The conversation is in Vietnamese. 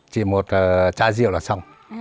chỉ một chai rượu là xong